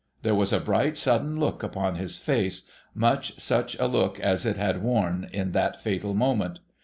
There was a bright, sudden look upon his face, much such a look as it had worn in that fatal moment.